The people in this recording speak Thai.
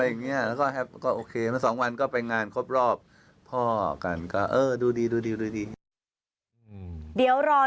อะไรนะชมอย่างนี้ไม่ต้องชอบละเอาดูเลย